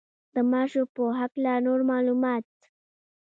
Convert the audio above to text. د ماشو په هکله نور معلومات.